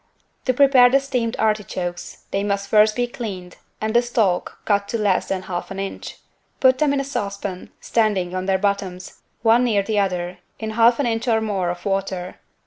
To prepare the steamed artichokes they must first be cleaned and the stalk cut to less than half an inch. Put them in a saucepan, standing on their bottoms, one near the other, in half an inch or more of water.